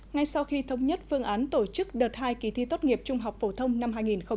ngay sau khi thống nhất phương án tổ chức đợt hai kỳ thi tốt nghiệp trung học phổ thông năm hai nghìn hai mươi